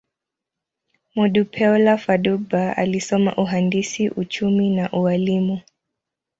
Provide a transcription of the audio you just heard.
Modupeola Fadugba alisoma uhandisi, uchumi, na ualimu.